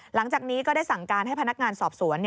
หลังจากนี้ก็ได้สั่งการให้พนักงานสอบสวน